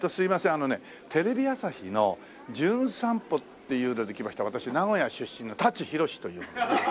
あのねテレビ朝日の『じゅん散歩』っていうので来ました私名古屋出身の舘ひろしという者です。